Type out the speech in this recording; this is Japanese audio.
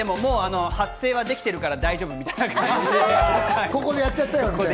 発声はできてるから大丈夫みたいな感じでしたね。